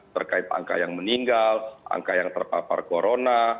terkait angka yang meninggal angka yang terpapar corona